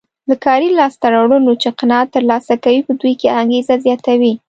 له کاري لاسته راوړنو چې قناعت ترلاسه کوي په دوی کې انګېزه زیاتوي.